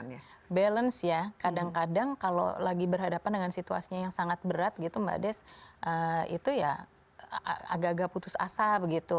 nah balance ya kadang kadang kalau lagi berhadapan dengan situasinya yang sangat berat gitu mbak des itu ya agak agak putus asa begitu